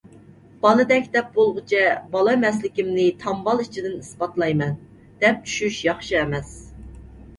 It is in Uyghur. «بالىدەك» دەپ بولغۇچە بالا ئەمەسلىكىمنى تامبال ئىچىدىن ئىسپاتلايمەن، دەپ چۈشۈش ياخشى ئەمەس.